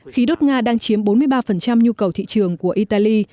khí đốt nga đang chiếm bốn mươi ba nhu cầu thị trường của italy